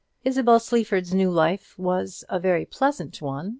Isabel Sleaford's new life was a very pleasant one.